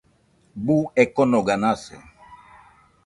Buu ekonoga nase